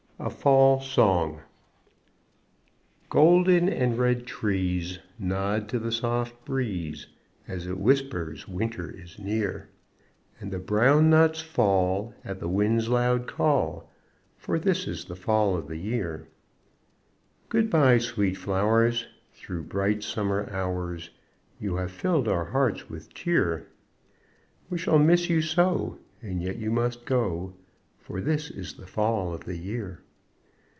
A Fall Song Golden and red trees Nod to the soft breeze, As it whispers, "Winter is near;" And the brown nuts fall At the wind's loud call, For this is the Fall of the year. Good by, sweet flowers! Through bright Summer hours You have filled our hearts with cheer We shall miss you so, And yet you must go, For this is the Fall of the year.